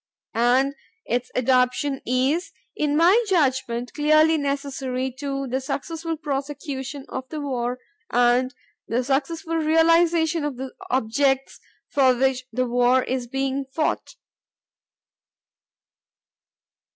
And its adoption is, in my judgment, clearly necessary to the successful prosecution of the war and the successful realization of the objects for which the war is being fought.